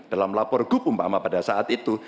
dalam lapor gup umpama pada saat itu